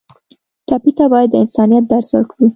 ټپي ته باید د انسانیت درس ورکړو.